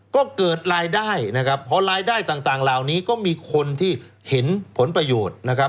ก็เกิดรายได้นะครับพอรายได้ต่างเหล่านี้ก็มีคนที่เห็นผลประโยชน์นะครับ